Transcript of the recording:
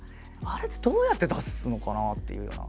あれってどうやって出すのかなっていうような。